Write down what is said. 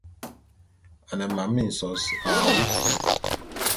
A ne mam minsōs a wub.